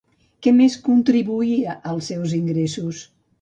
Què més contribuïa als seus ingressos?